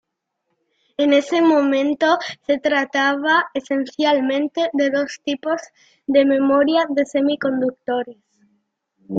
En ese momento, se trataba esencialmente de dos tipos de memoria de semiconductores.